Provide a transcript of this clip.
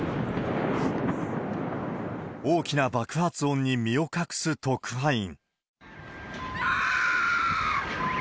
大きな爆発音に身を隠す特派員。